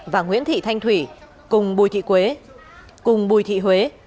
và nguyễn thị thanh thủy cùng bùi thị huế